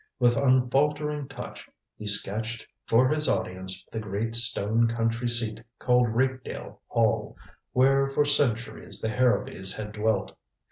With unfaltering touch he sketched for his audience the great stone country seat called Rakedale Hall, where for centuries the Harrowbys had dwelt.